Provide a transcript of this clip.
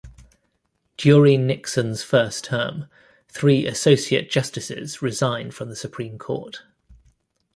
During Nixon's first term, three associate justices resigned from the Supreme Court.